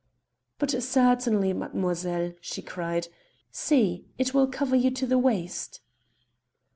"But certainly, mademoiselle," she cried. "See. It will cover you to the waist."